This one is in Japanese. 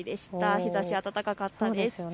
日ざし、暖かかったです。